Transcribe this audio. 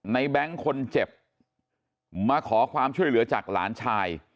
แบงค์คนเจ็บมาขอความช่วยเหลือจากหลานชาย